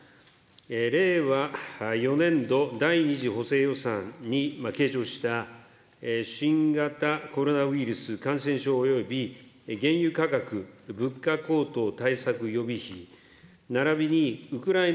令和４年度第２次補正予算に計上した新型コロナウイルス感染症および原油価格、物価高騰対策予備費、ならびにウクライナ